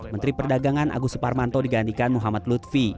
menteri perdagangan agus suparmanto digantikan muhammad lutfi